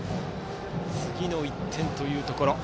次の１点というところ。